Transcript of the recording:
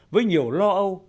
với nhiều lo âu